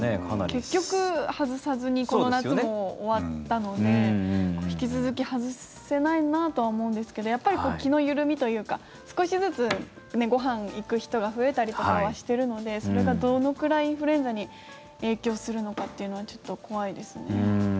結局、外さずにこの夏も終わったので引き続き外せないなとは思うんですけどやっぱり気の緩みというか少しずつ、ご飯行く人が増えたりとかはしてるのでそれがどのくらいインフルエンザに影響するのかというのはちょっと怖いですね。